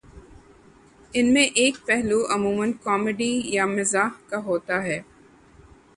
ان میں ایک پہلو عمومًا کامیڈی یا مزاح کا ہوتا ہے